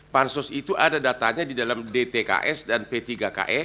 pansus itu ada datanya di dalam dtks dan p tiga ke